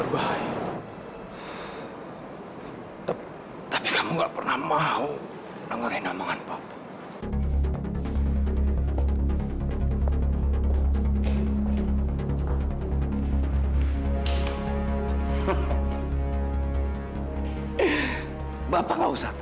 dia dirumah di sini